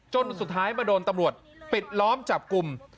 จนสุดท้ายมาโดนตำรวจปิดล้อมจับกลุ่ม